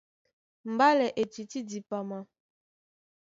Mbálɛ e tití dipama.